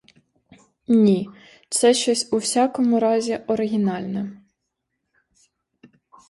Ні, це щось у всякому разі оригінальне.